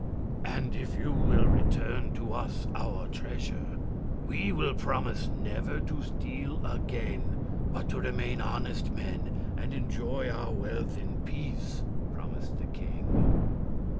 "And, if you will return to us our treasure, we will promise never to steal again, but to remain honest men and enjoy our wealth in peace," promised the king.